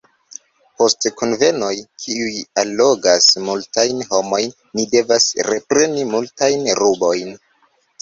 Post kunvenoj, kiuj allogas multajn homojn, ni devas repreni multajn rubojn.